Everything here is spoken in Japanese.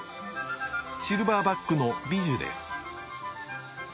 シルバーバックのビジュです。